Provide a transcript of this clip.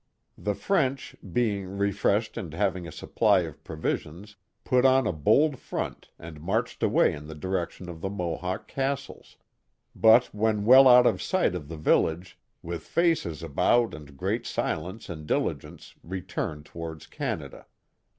The French, being refreshed and having a supply of pro visions, put on a bold front and marched away in the direction of the Mohawk castles; but when well out of sight of the vil lage, " with faces about and great silence and diligence re turned towards Canada."